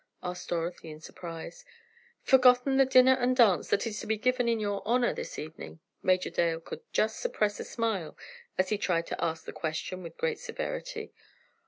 asked Dorothy in surprise. "Forgotten the dinner and dance that is to be given in your honor this evening?" Major Dale could just suppress a smile as he tried to ask the question with great severity.